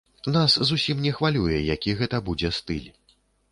Нас зусім не хвалюе, які гэта будзе стыль.